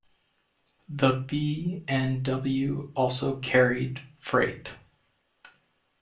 The B and W also carried freight.